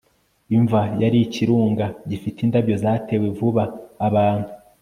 imva yari ikirunga gifite indabyo zatewe vuba. abantu